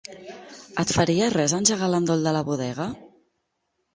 Et faria res engegar l'endoll de la bodega?